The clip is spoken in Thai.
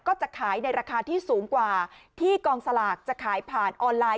ก็จะขายในราคาที่สูงกว่าที่กองสลากจะขายผ่านออนไลน์